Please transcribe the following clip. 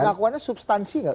pengakuannya substansi nggak